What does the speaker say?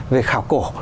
về khảo cổ